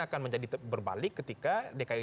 akan menjadi berbalik ketika dki